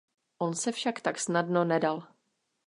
On se však tak snadno nedal.